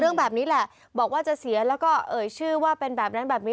เรื่องแบบนี้แหละบอกว่าจะเสียแล้วก็เอ่ยชื่อว่าเป็นแบบนั้นแบบนี้